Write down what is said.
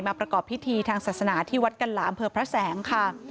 ประกอบพิธีทางศาสนาที่วัดกันหลามเผลอพระแสงค่ะ